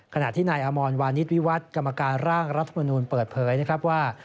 ขณะที่นายอมรวานิสวิวัฒน์กรรมการร่างรัฐมนุนเปิดเผยว่า